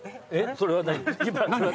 それは何？